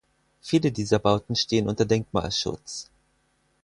Viele dieser Bauten stehen unter Denkmalschutz.